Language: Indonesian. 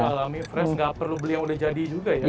jadi alami fresh nggak perlu beli yang udah jadi juga ya